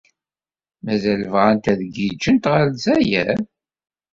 Mazal bɣant ad giǧǧent ɣer Lezzayer?